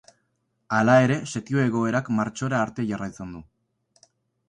Ala ere setio-egoerak martxora arte jarraitzen du.